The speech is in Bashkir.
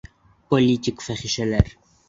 «Политик фәхишәләр!»